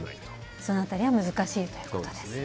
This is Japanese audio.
その辺りは難しいということですね。